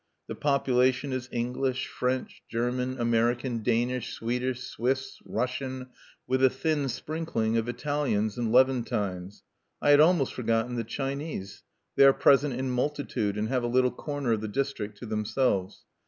The population is English, French, German, American, Danish, Swedish, Swiss, Russian, with a thin sprinkling of Italians and Levantines. I had almost forgotten the Chinese. They are present in multitude, and have a little corner of the district to themselves.